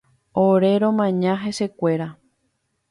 Ore romaña hesekuéra.